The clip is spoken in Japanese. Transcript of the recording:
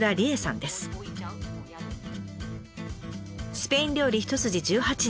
スペイン料理一筋１８年。